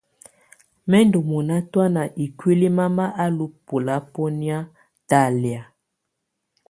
Mɛ̀ ndù mɔna tɔ̀ána ikuili mama á lú bɛlabɔnɛ̀á talɛ̀á.